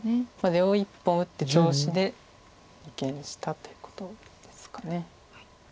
出を１本打って調子で二間にしたということですか。